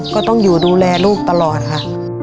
ก็ต้องอยู่ดูแลลูกตลอดค่ะ